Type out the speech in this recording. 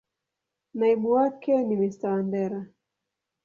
Naibu wake ni Mr.Wandera.